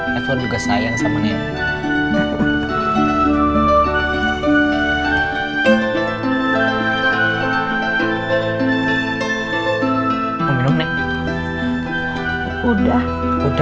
nenek kan sayang sekali sama edward